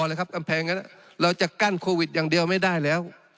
เลยครับกำแพงนั้นเราจะกั้นโควิดอย่างเดียวไม่ได้แล้ว